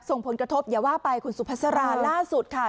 ส่งผลกระทบอย่าว่าไปคุณสุภาษาล่าสุดค่ะ